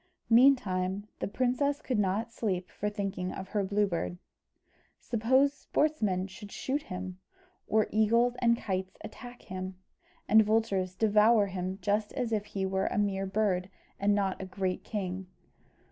Meantime the princess could not sleep for thinking of her Blue Bird. "Suppose sportsmen should shoot him, or eagles and kites attack him, and vultures devour him just as if he were a mere bird and not a great king?